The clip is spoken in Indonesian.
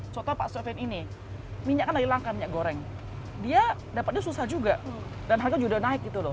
contoh pak sofian ini minyak kan dari langka minyak goreng dia dapatnya susah juga dan harga juga naik gitu loh